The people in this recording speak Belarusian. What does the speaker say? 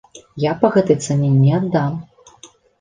Я па гэтай цане не аддам!